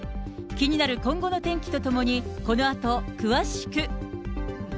気になる今後の天気とともに、このあと、詳しく。